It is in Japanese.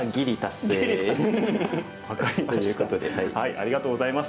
ありがとうございます。